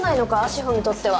志保にとっては。